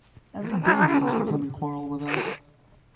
Every day he used to come and quarrel with us.